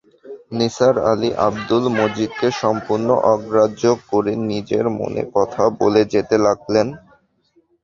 নিসার আলি আব্দুল মজিদকে সম্পূর্ণ অগ্রাহ্য করে নিজের মনে কথা বলে যেতে লাগলেন।